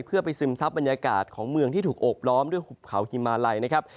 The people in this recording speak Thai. เพื่อไปซึมซับบรรยากาศของเมืองที่ถูกโอบล้อมด้วยหุบเขาฮิมาลัยนะครับ